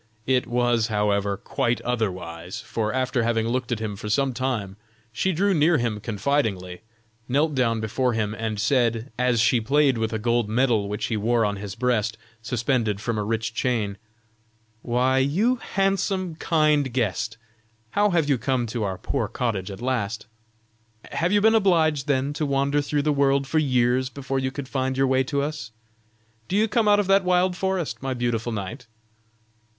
It was, however, quite otherwise; for after having looked at him for some time, she drew near him confidingly, knelt down before him, and said, as she played with a gold medal which he wore on his breast, suspended from a rich chain: "Why, you handsome, kind guest, how have you come to our poor cottage at last? Have you been obliged then to wander through the world for years, before you could find your way to us? Do you come out of that wild forest, my beautiful knight?"